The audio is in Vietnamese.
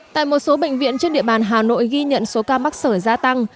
tại một số bệnh viện trên địa bàn hà nội ghi nhận số ca mắc sở gia tăng